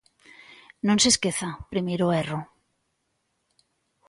Non se esqueza, primeiro erro.